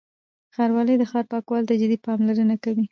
ښاروالۍ د ښار پاکوالي ته جدي پاملرنه کوي.